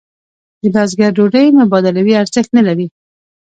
د بزګر ډوډۍ مبادلوي ارزښت نه لري.